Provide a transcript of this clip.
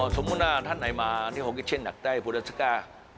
สมมุติท่านไหนมาที่โฮล์กิชเช่นอยากได้ปูเตอร์สก้า